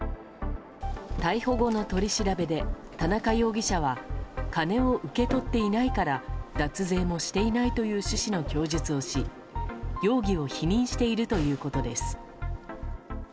逮捕後の取り調べで田中容疑者は金を受け取っていないから脱税もしていないという趣旨の供述をし容疑を否認しているということです。